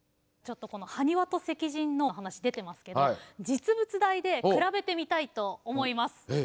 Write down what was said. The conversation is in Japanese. ちょっとハニワと石人の話出てますけど実物大で比べてみたいと思います。